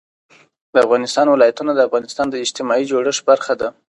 د افغانستان ولايتونه د افغانستان د اجتماعي جوړښت برخه ده.